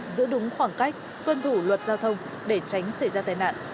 giữ đúng khoảng cách cân thủ luật giao thông để tránh xảy ra tài nạn